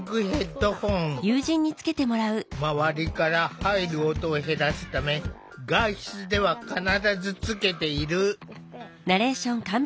まわりから入る音を減らすため外出では必ずつけている。